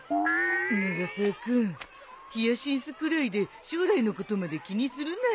永沢君ヒヤシンスくらいで将来のことまで気にするなよ。